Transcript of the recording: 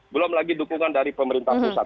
belum lagi dukungan dari pemerintah pusat